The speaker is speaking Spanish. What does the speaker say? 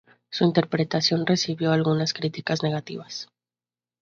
Su interpretación recibió algunas críticas negativas.